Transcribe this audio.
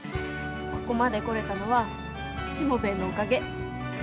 ここまで来れたのはしもべえのおかげ。